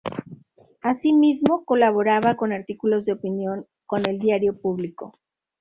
Así mismo colaboraba con artículos de opinión con el diario "Público".